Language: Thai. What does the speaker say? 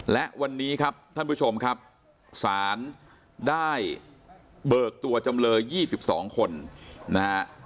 และวันนี้ครับท่านผู้ชมครับศาลได้เบิกตัวจำเลย๒๒คนนะฮะ